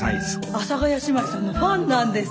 阿佐ヶ谷姉妹さんのファンなんです。